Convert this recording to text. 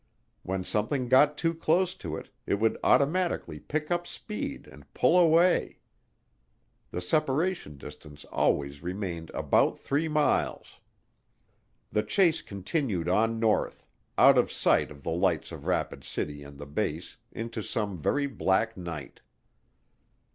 When something got too close to it, it would automatically pick up speed and pull away. The separation distance always remained about 3 miles. The chase continued on north out of sight of the lights of Rapid City and the base into some very black night.